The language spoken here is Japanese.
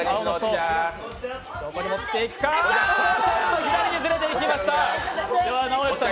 ちょっと左にずれていきました。